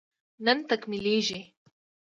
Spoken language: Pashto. نن تکميلېږي